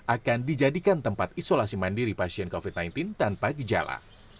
akan dijadikan tempat isolasi mandiri pasien covid sembilan belas tanpa gejala